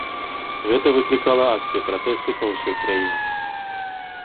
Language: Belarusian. Гэта выклікала акцыі пратэсту па ўсёй краіне.